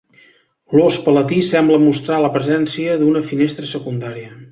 L"ós palatí sembla mostrar la presència d"una finestra secundària.